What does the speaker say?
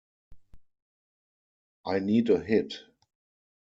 I need a hit.